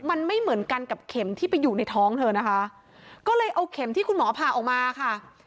มันไม่เหมือนกันกับเข็มที่ไปอยู่ในท้องเธอนะคะก็เลยเอาเข็มที่คุณหมอผ่าออกมาค่ะ